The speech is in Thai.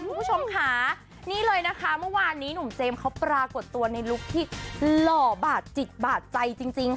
คุณผู้ชมค่ะนี่เลยนะคะเมื่อวานนี้หนุ่มเจมส์เขาปรากฏตัวในลุคที่หล่อบาดจิตบาดใจจริงค่ะ